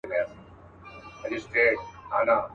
له کلونو پوروړی د سرکار وو.